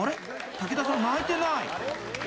武田さん、泣いてない！